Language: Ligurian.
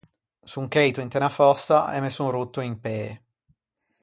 Son cheito inte unna fòssa e me son rotto un pê.